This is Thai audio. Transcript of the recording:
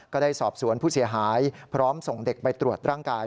ก็ได้สอบสวนผู้เสียหายพร้อมส่งเด็กไปตรวจร่างกาย